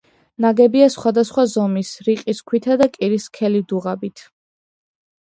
ნაგებია სხვადასხვა ზომის, რიყის ქვითა და კირის სქელი დუღაბით.